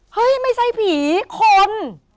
เฮ้ยไม่ใช่ผีคน